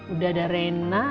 udah ada rena